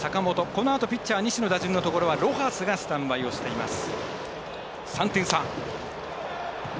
このあとピッチャー、西の打順のところロハスが準備しています。